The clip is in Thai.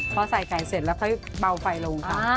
พอใส่ไข่เสร็จแล้วค่อยเบาไฟลงค่ะ